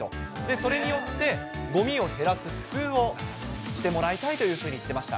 それによって、ごみを減らす工夫をしてもらいたいというふうに言ってました。